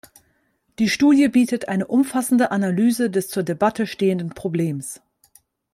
Die Studie bietet eine umfassende Analyse des zur Debatte stehenden Problems.